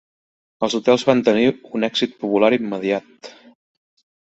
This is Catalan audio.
Els hotels van tenir un èxit popular immediat.